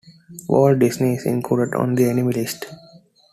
Walt Disney is included on the Enemy List.